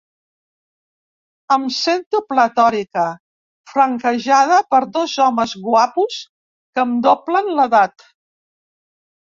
Em sento pletòrica, flanquejada per dos homes guapos que em doblen l'edat.